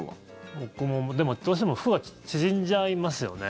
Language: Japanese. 僕も、でも、どうしても服が縮んじゃいますよね。